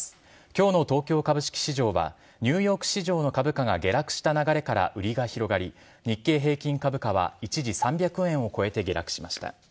今日の東京株式市場はニューヨーク市場の株価が下落した流れから売りが広がり日経平均株価は一時３００円を超えて下落しました。